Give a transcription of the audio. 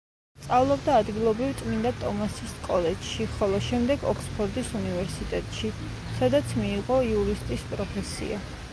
სწავლობდა ადგილობრივ წმინდა ტომასის კოლეჯში, ხოლო შემდეგ ოქსფორდის უნივერსიტეტში, სადაც მიიღო იურისტის პროფესია.